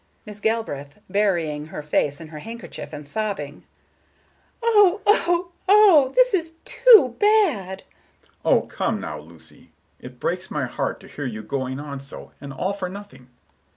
Miss Galbraith, burying her face in her handkerchief, and sobbing: "Oh, oh, oh! This is too bad!" Mr. Richards: "Oh, come now, Lucy. It breaks my heart to hear you going on so, and all for nothing.